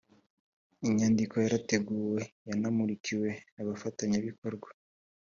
inyandiko yarateguwe yanamurikiwe abafatanyabikorwa